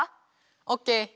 オッケー！